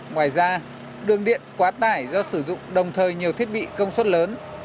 ngoài ra đường điện quá tải do sử dụng đồng thời nhiều thiết bị công suất lớn